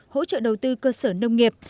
hỗ trợ đầu tư cơ sở nông nghiệp